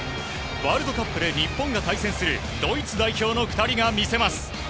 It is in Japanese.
ワールドカップで日本が対戦するドイツ代表の２人が見せます。